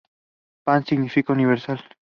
Pan significa Universal.